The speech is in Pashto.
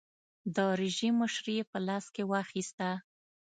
د رژیم مشري یې په لاس کې واخیسته.